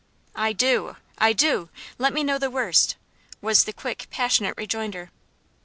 "I do! I do! let me know the worst!" was the quick, passionate rejoinder.